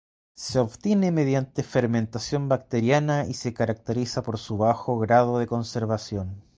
Se obtiene mediante fermentación bacteriana y se caracteriza por su bajo grado de conservación.